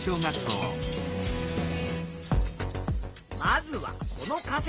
まずはこの仮説。